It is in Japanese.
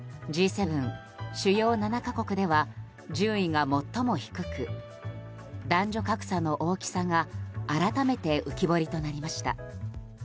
Ｇ７・主要７か国では順位が最も低く男女格差の大きさが改めて浮き彫りとなりました。